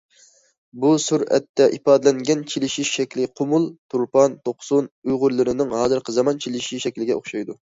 بۇ سۈرەتتە ئىپادىلەنگەن چېلىشىش شەكلى قومۇل، تۇرپان، توقسۇن ئۇيغۇرلىرىنىڭ ھازىرقى زامان چېلىشىش شەكلىگە ئوخشايدۇ.